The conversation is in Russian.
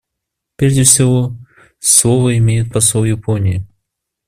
Прежде всего слово имеет посол Японии.